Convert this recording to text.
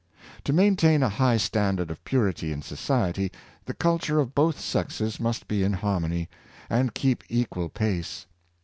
To maintain a high standard of purity in society, the culture of both sexes must be in harmony, and keep equal pace.